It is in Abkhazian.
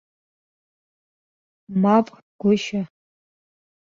Мап, гәышьа!